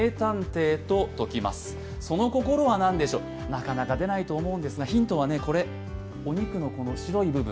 なかなか出ないと思うんですが、ヒントは、このお肉の白い部分。